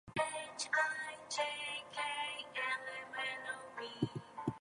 There are no other announced prospective cable or satellite service pick-ups at this time.